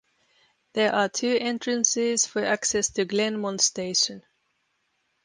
There are two entrances for access to Glenmont station.